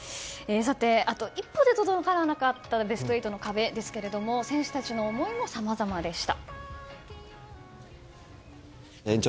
あと一歩で届かなかったベスト８の壁ですが選手たちの思いもさまざまでした。